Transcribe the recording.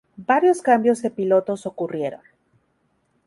Varios cambios de pilotos ocurrieron.